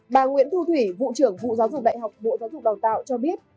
bà nguyễn thu thủy vụ trưởng vụ giáo dục đại học bộ giáo dục đào tạo cho biết